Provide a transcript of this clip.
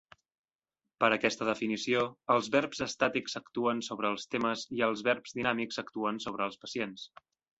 Per aquesta definició, els verbs estàtics actuen sobre els temes i els verbs dinàmics actuen sobre els pacients.